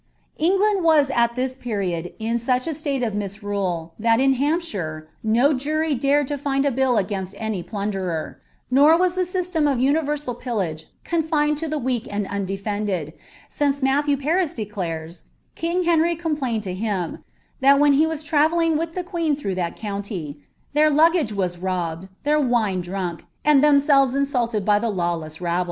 England was at this period in such a state of misrule, that in Ilaiw shire no jury dared to lind a bill against any plunderer; nor om IM tysteni of universal pilluge confined to the weak and undefended, sian Matthew Paris declares " king Henry complaiued to him, that wboihi was Itaveliing with the queen through that pouniy, iheir Ivgg^^m robbed, iheir wine drunk, and themselves insulted by the lawless nbUs."